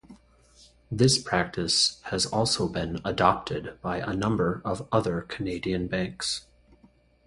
This practice has also been adopted by a number of other Canadian banks.